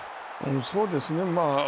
そうですね。